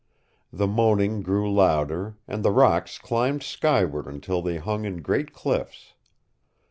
The moaning grew louder, and the rocks climbed skyward until they hung in great cliffs.